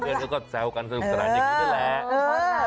เพื่อนก็แซวกันสนุกสนานอย่างนี้แหละ